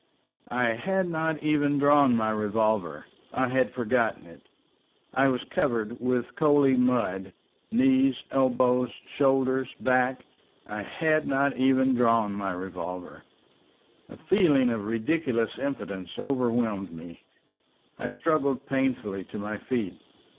I had not even drawn my revolver—I had forgotten it. I was covered with coaly mud—knees, elbows, shoulders, back. I had not even drawn my revolver! ... A feeling of ridiculous impotence overwhelmed me. I struggled painfully to my feet.